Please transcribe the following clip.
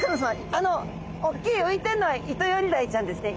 あのおっきい浮いてんのはイトヨリダイちゃんですね。